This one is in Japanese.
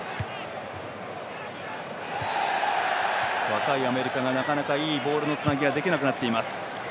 若いアメリカがなかなかいいボールのつなぎができなくなっています。